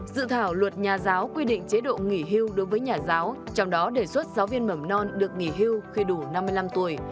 dự thảo luật nhà giáo quy định chế độ nghỉ hưu đối với nhà giáo trong đó đề xuất giáo viên mầm non được nghỉ hưu khi đủ năm mươi năm tuổi